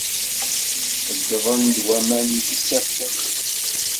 Feyyḍen-d waman d isaffen.